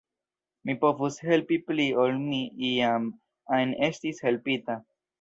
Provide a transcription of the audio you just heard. Mi povus helpi pli ol mi iam ajn estis helpita.